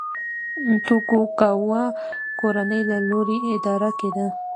توکوګاوا کورنۍ له لوري اداره کېده.